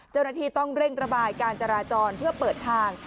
เจ้าหน้าที่ต้องเร่งระบายการจราจรเพื่อเปิดทาง